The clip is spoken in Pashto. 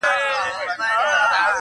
زه مي دوې نښي د خپل یار درته وایم.